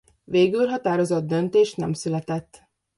Végül határozott döntés nem született.